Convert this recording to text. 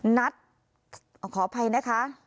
นัดขออภัยนะคะ